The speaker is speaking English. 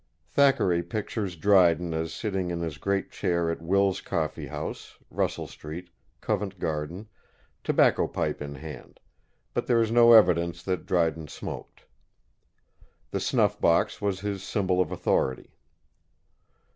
Thackeray pictures Dryden as sitting in his great chair at Will's Coffee house, Russell Street, Covent Garden, tobacco pipe in hand; but there is no evidence that Dryden smoked. The snuff box was his symbol of authority.